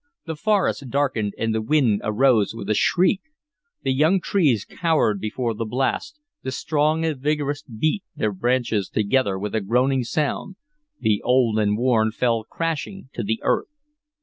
The forest darkened, and the wind arose with a shriek. The young trees cowered before the blast, the strong and vigorous beat their branches together with a groaning sound, the old and worn fell crashing to the earth.